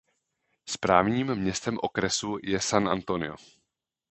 Správním městem okresu je San Antonio.